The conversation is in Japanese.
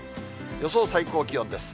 予想最高気温です。